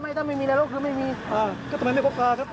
หมวกไม่ใส่นะครับ